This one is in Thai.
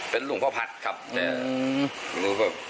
เป็นหลวงพ่อพัทครับแต่